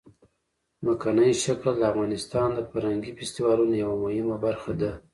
ځمکنی شکل د افغانستان د فرهنګي فستیوالونو یوه مهمه برخه ده.